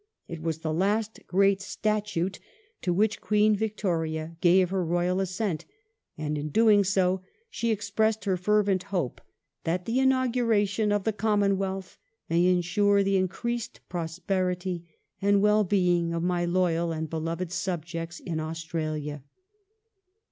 It was the last great statute to which Queen Victoria gave her Royal assent, and in doing so she expressed her fervent hope that " the inauguration of the Commonwealth may ensure the increased prosperity and well being of my loyal and beloved subjects in Australia